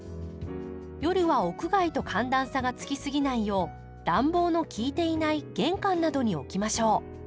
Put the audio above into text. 夜は屋外と寒暖差がつきすぎないよう暖房の効いていない玄関などに置きましょう。